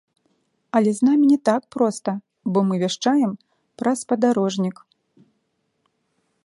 Але з намі не так проста, бо мы вяшчаем праз спадарожнік.